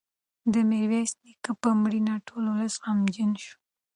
د میرویس نیکه په مړینه ټول ولس غمجن شو.